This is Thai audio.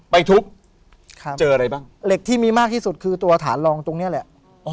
ไปทุบครับเจออะไรบ้างเหล็กที่มีมากที่สุดคือตัวฐานรองตรงเนี้ยแหละ